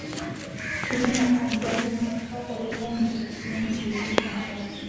其中的暗礁经常从超过一千米的水深急速上升。